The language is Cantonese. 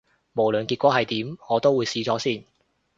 無論結果係點，我都會試咗先